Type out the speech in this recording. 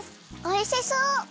おいしそう！